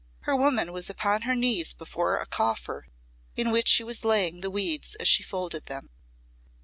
Her woman was upon her knees before a coffer in which she was laying the weeds as she folded them.